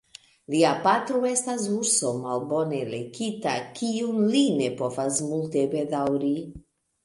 Lia patro estas urso malbone lekita, kiun li ne povas multe bedaŭri.